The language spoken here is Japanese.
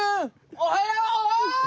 おはよい！